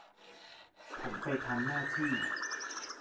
ผมไปทำหน้าที่